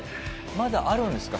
まだあるんですか？